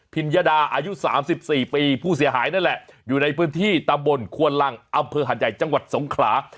ญดาอายุ๓๔ปีผู้เสียหายนั่นแหละอยู่ในพื้นที่ตำบลควนลังอำเภอหัดใหญ่จังหวัดสงขลา